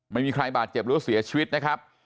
ไม่มีใครบาดเจ็บหรือเสียชีวิตนะครับ